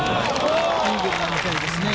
イーグルが見たいですね。